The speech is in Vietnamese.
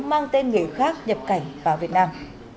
mang tên người khác nhập cảnh vào việt nam